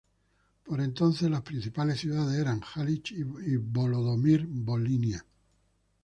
Por entonces, las principales ciudades eran Hálych y Volodímir-Volinia.